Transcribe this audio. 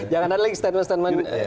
jangan ada lagi statement statement